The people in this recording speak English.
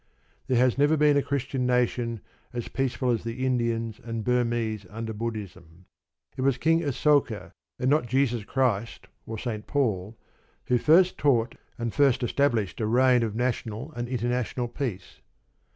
There has never been a Christian nation as peaceful as the Indians and Burmese under Buddhism. It was King Asoka, and not Jesus Christ or St. Paul, who first taught and first established a reign of national and international peace.